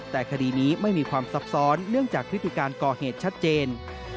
แต่คดีนี้ไม่มีความซับซ้อนเนื่องจากพฤติการก่อเหตุชัดเจน